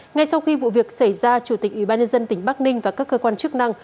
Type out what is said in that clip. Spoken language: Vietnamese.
ngay sau khi vụ việc xảy ra chủ tịch ủy ban nhân dân tỉnh bắc ninh và các cơ quan chức năng